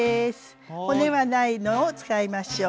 骨はないのを使いましょう。